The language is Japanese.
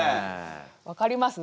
分かります？